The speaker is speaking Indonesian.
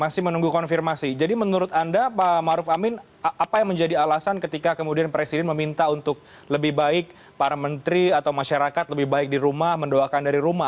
masih menunggu konfirmasi jadi menurut anda pak maruf amin apa yang menjadi alasan ketika kemudian presiden meminta untuk lebih baik para menteri atau masyarakat lebih baik di rumah mendoakan dari rumah